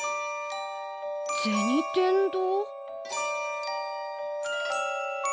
銭天堂？